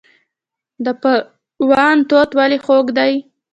د پروان توت ولې خوږ دي؟